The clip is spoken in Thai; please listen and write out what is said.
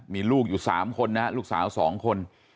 มีลูกอยู่สามคนนะลูกสาวสองคน